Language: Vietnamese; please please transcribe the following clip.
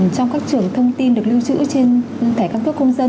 trong các trường thông tin được lưu trữ trên thẻ căn cước công dân